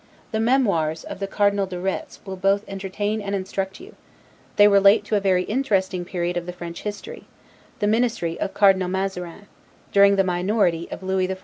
The "Memoirs" of the Cardinal de Retz will both entertain and instruct you; they relate to a very interesting period of the French history, the ministry of Cardinal Mazarin, during the minority of Lewis XIV.